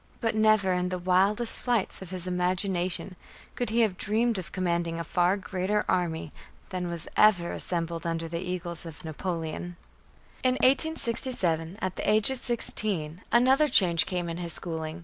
But never in the wildest flights of his imagination could he have dreamed of commanding a far greater army than was ever assembled under the eagles of Napoleon. In 1867, at the age of sixteen, another change came in his schooling.